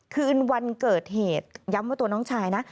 คืนวันเกิดเหตุย้ำว่าตัวน้องชายนะ